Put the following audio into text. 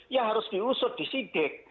ya harus diusut disidik